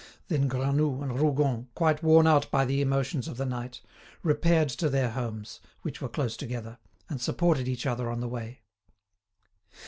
Then Granoux and Rougon, quite worn out by the emotions of the night, repaired to their homes, which were close together, and supported each other on the way.